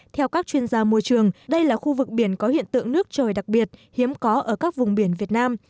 theo các chuyên gia môi trường đây là khu vực biển có hiện tượng nước trời đặc biệt hiếm có ở các vùng biển việt nam